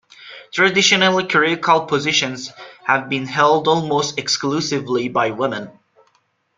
Traditionally clerical positions have been held almost exclusively by women.